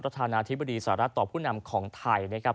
ประธานาธิบดีสหรัฐต่อผู้นำของไทยนะครับ